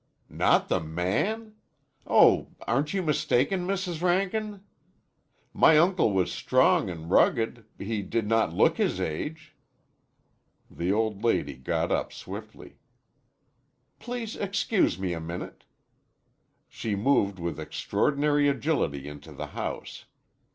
"Not the man! Oh, aren't you mistaken, Mrs. Rankin? My uncle was strong and rugged. He did not look his age." The old lady got up swiftly. "Please excuse me a minute." She moved with extraordinary agility into the house.